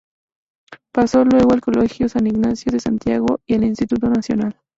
Pasó luego al Colegio San Ignacio de Santiago y al Instituto Nacional.